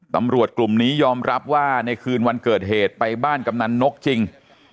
ตำรวจกลุ่มนี้ยอมรับว่าในคืนวันเกิดเหตุไปบ้านกำนันนกจริง